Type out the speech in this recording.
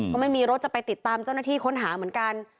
ก็ไม่มีรถจะไปติดตามเจ้าหน้าที่ค้นหาเหมือนกัน